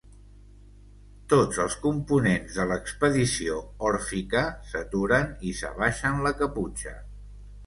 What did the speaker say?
Tots els components de l'expedició òrfica s'aturen i s'abaixen la caputxa.